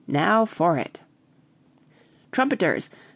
Now for it!" "Trumpeters!